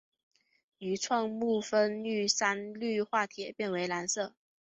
愈创木酚遇三氯化铁变为蓝色。